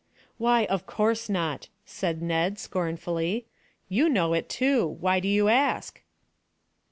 "Why, of course not," said Ned scornfully. "You know it too. Why do you ask?"